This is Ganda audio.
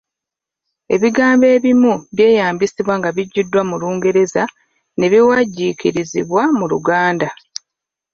Ebigambo ebimu byeyambisibwa nga biggyiddwa mu Lungereza ne biwagiikirizibwa mu Luganda